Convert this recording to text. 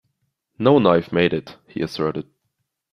"No knife made it," he asserted.